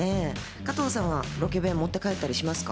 加藤さんはロケ弁、持って帰ったりしますか？